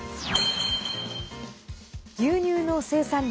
牛乳の生産量